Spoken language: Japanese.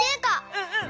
うんうん！